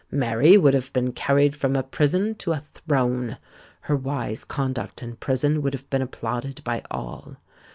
_ Mary would have been carried from a prison to a throne. Her wise conduct in prison would have been applauded by all.